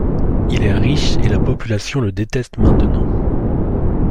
Il est riche et la population le déteste maintenant.